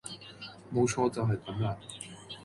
冇錯，就係咁啦